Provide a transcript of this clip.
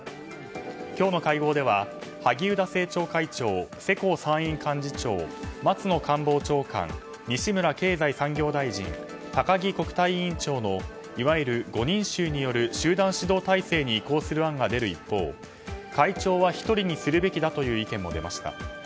今日の会合では萩生田政調会長、世耕参院幹事長松野官房長官、西村経済産業大臣高木国対委員長のいわゆる５人衆による集団指導体制に移行する案が出る一方会長は１人にするべきだという意見も出ました。